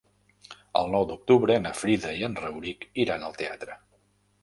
El nou d'octubre na Frida i en Rauric iran al teatre.